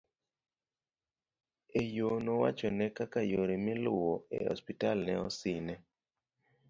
e yo nowachone kaka yore miluwo e ospital ne osine